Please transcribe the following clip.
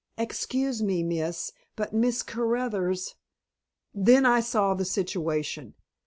"Excuse me, miss, but Miss Caruthers " Then I saw the situation.